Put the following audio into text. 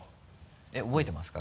えっ覚えてますか？